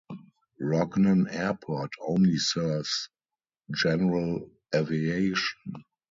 Rognan Airport only serves general aviation.